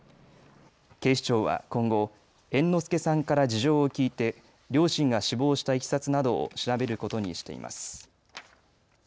警視庁は今後、猿之助さんから事情を聴いて両親が死亡したいきさつなどを調べることにしています。